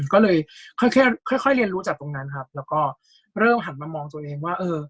ก็เลยค่อยค่อยเรียนรู้จากตรงนั้นครับแล้วก็เริ่มหันมามองตัวเองว่าเออ